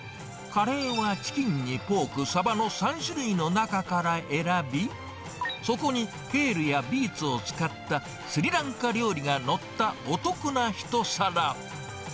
カレーはチキンにポーク、サバの３種類の中から選び、そこにケールやビーツを使ったスリランカ料理が載ったお得な一皿。